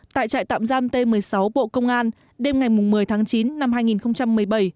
tại trại tạm giam t một mươi sáu bộ công an đêm ngày một mươi tháng chín năm hai nghìn một mươi bảy